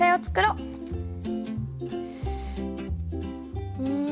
うん。